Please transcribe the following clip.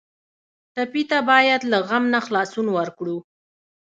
ټپي ته باید له غم نه خلاصون ورکړو.